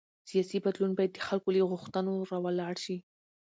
سیاسي بدلون باید د خلکو له غوښتنو راولاړ شي